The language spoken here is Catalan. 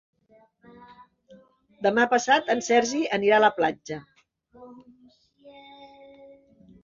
Demà passat en Sergi anirà a la platja.